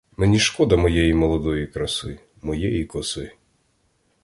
Мені шкода моєї молодої краси, моєї коси.